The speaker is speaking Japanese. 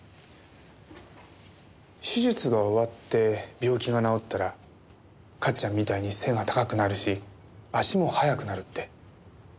手術が終わって病気が治ったらかっちゃんみたいに背が高くなるし足も速くなるって。